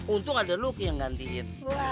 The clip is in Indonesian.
untung ada lu yang ngantiin